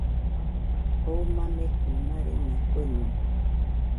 Oo mamekɨ marena kueno